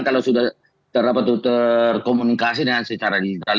kalau sudah terkomunikasi dengan secara digital